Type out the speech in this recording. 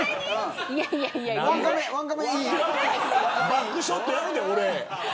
バックショットやるで。